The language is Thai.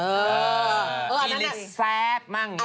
เอลลิทท์แซฟกมั่ง